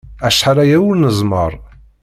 Acḥal aya ur nemmẓer.